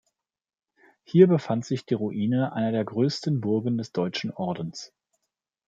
Hier befand sich die Ruine einer der größten Burgen des Deutschen Ordens.